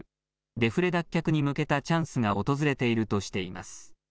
デフレ脱却に向けたチャンスが訪れているとしています。